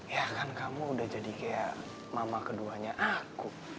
ya kan kamu udah jadi kayak mama keduanya aku